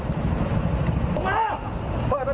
ตำรวจต้องไล่ตามกว่าจะรองรับเหตุได้